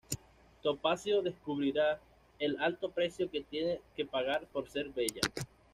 Topacio descubrirá el alto precio que tiene que pagar por ser bella.